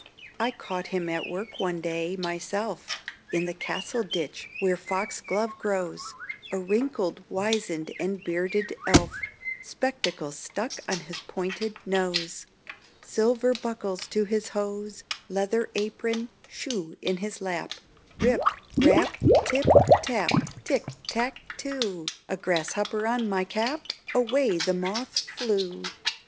I caught him at work one day, myself, In the castle ditch, where foxglove grows, A wrinkled, wizen'd, and bearded Elf, Spectacles stuck on his pointed nose, Silver buckles to his hose, Leather apron shoe in his lap "Rip rap, tip tap, Tick tack too! (A grasshopper on my cap! Away the moth flew!)